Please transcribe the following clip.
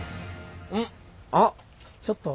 あっ！